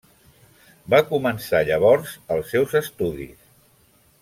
Va començar llavors els seus estudis.